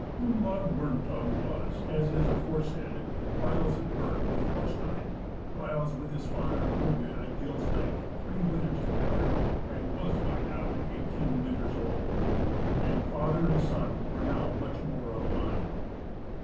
Gunnlaug Worm Tongue was, as is aforesaid, whiles at Burg with Thorstein, whiles with his father Illugi at Gilsbank, three winters together, and was by now eighteen winters old; and father and son were now much more of a mind.